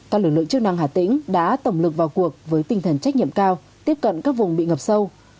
các lực lượng chức năng hà tĩnh đã tổng lực vào cuộc với tinh thần trách nhiệm cao tiếp cận các vùng bị ngập sâu